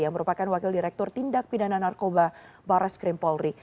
yang merupakan wakil direktur tindak pidana narkoba bares krim polri